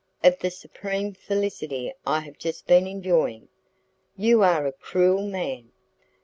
"Of the supreme felicity I have just been enjoying." "You are a cruel man."